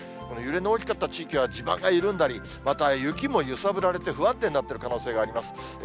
この揺れの大きかった地域は、地盤が緩んだりまた雪も揺さぶられて不安定になっている可能性があります。